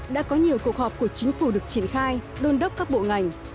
đã có nhiều cuộc họp của chính phủ được triển khai đôn đốc các bộ ngành